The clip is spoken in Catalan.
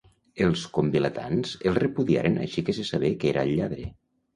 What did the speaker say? Els convilatans el repudiaren així que se sabé que era el lladre.